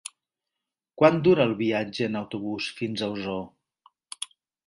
Quant dura el viatge en autobús fins a Osor?